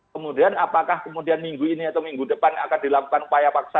kemudian apakah kemudian minggu ini atau minggu depan akan dilakukan upaya paksa